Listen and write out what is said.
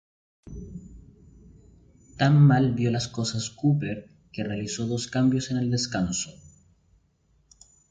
Tan mal vio las cosas Cúper que realizó dos cambios en el descanso.